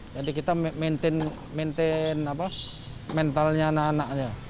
jadi kita maintain mentalnya anak anaknya